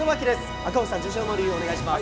赤星さん、受賞の理由お願いします。